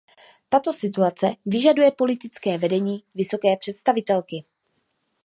Tato situace vyžaduje politické vedení vysoké představitelky.